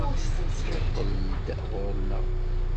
Muqqel-d ɣuṛ-nneɣ!